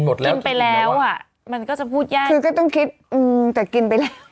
หมดแล้วกินไปแล้วอ่ะมันก็จะพูดยากคือก็ต้องคิดแต่กินไป